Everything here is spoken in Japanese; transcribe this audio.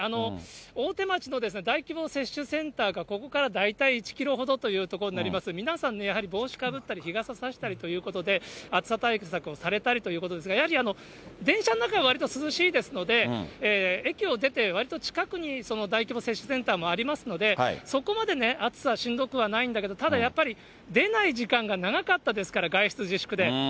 大手町の大規模接種センターがここから大体１キロほどという所になります、皆さん、帽子かぶったり、日傘差したりということで、暑さ対策をされたりということですが、やはり電車の中は、わりと涼しいですので、駅を出て、わりと近くに大規模接種センターもありますので、そこまで暑さしんどくはないんだけど、ただやっぱり、出ない時間が長かったですから、外出自粛で。